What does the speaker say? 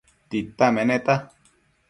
Tita meneta